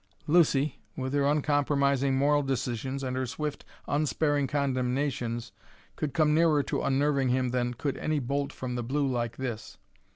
Lucy, with her uncompromising moral decisions and her swift, unsparing condemnations, could come nearer to unnerving him than could any bolt from the blue like this.